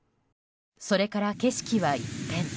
それから景色は一変。